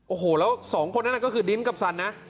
โอ้โหแล้วสองคนนั้นก็คือดิ้นกับสันนะ